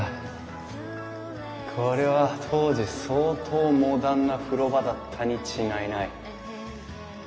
これは当時相当モダンな風呂場だったに違いない。